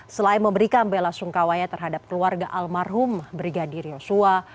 selain memberikan bela sungkawanya terhadap keluarga almarhum brigadir yosua